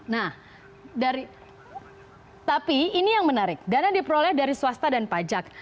nah dari tapi ini yang menarik dana diperoleh dari swasta dan pajak